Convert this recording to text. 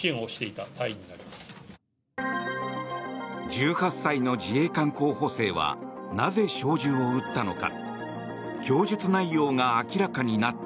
１８歳の自衛官候補生はなぜ、小銃を撃ったのか。